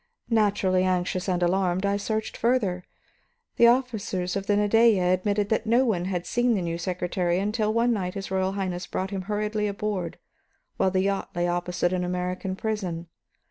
Naturally anxious and alarmed, I searched further. The officers of the Nadeja admitted that no one had seen the new secretary until one night his Royal Highness brought him hurriedly aboard, while the yacht lay opposite an American prison.